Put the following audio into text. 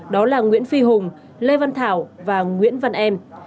đó là nguyễn phi hùng lê văn thảo và nguyễn văn em